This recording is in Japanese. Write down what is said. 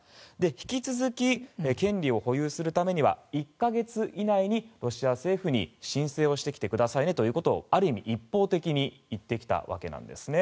引き続き権利を保有するためには１か月以内にロシア政府に申請をしてきてくださいねということをある意味、一方的に言ってきたわけなんですね。